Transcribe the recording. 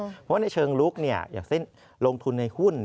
เพราะว่าในเชิงลุกอย่างเช่นลงทุนในหุ้น